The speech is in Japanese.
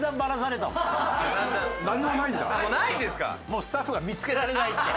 もうスタッフが見つけられないって。